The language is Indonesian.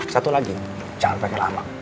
satu lagi jangan pengen lama